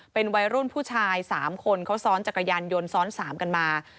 เป็นวัยรุ่นผู้ชาย๓คนเขาซ้อนจักรยานยนต์ซ้อน๓กันมา